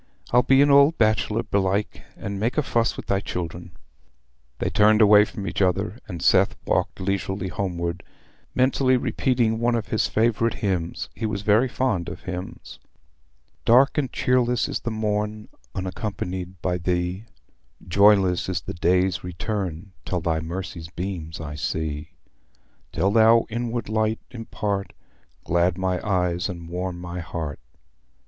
"I'll be an old bachelor, belike, and make a fuss wi' thy children." They turned away from each other, and Seth walked leisurely homeward, mentally repeating one of his favourite hymns—he was very fond of hymns: "Dark and cheerless is the morn Unaccompanied by thee: Joyless is the day's return Till thy mercy's beams I see: Till thou inward light impart, Glad my eyes and warm my heart.